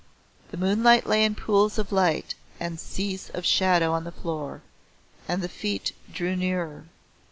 The moonlight lay in pools of light and seas of shadow on the floor, and the feet drew nearer.